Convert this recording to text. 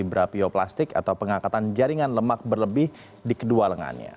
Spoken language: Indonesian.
brapioplastik atau pengangkatan jaringan lemak berlebih di kedua lengannya